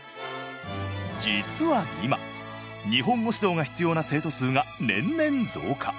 実は今日本語指導が必要な生徒数が年々増加。